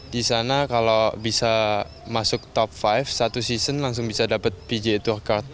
di sana kalau bisa masuk top lima satu season langsung bisa dapat pj itu hard